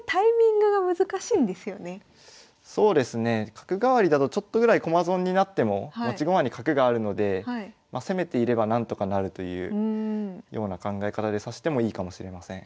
角換わりだとちょっとぐらい駒損になっても持ち駒に角があるので攻めていれば何とかなるというような考え方で指してもいいかもしれません。